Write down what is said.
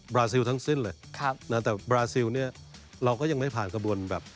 ราซิลทั้งสิ้นเลยครับนะแต่บราซิลเนี่ยเราก็ยังไม่ผ่านกระบวนแบบ